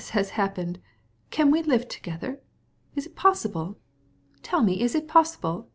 has happened, can we live together? Is that possible? Tell me, eh, is it possible?"